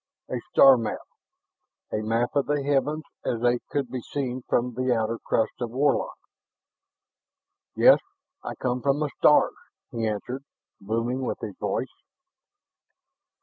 A star map! A map of the heavens as they could be seen from the outer crust of Warlock. "Yes, I come from the stars," he answered, booming with his voice.